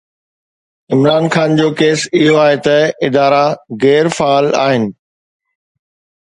عمران خان جو ڪيس اهو آهي ته ادارا غير فعال آهن.